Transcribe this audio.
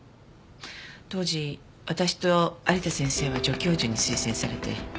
当時私と有田先生は助教授に推薦されて。